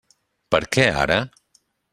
Per què ara?